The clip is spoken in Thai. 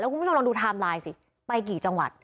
คุณผู้ชมลองดูไทม์ไลน์สิไปกี่จังหวัด